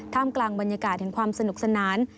ท่ามกลางบรรยากาศเห็นความสนุกสนาน